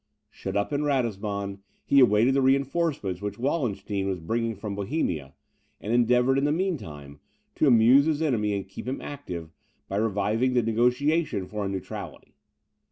Shut up in Ratisbon, he awaited the reinforcements which Wallenstein was bringing from Bohemia; and endeavoured, in the mean time, to amuse his enemy and keep him inactive, by reviving the negociation for a neutrality.